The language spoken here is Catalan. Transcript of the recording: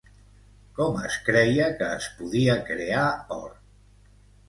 Com es creia que es podia crear or?